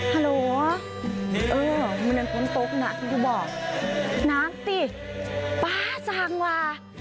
ฮัลโหลเออมึงนั่นคนตกน่ะที่กูบอกน้ำติป๊าจางว่า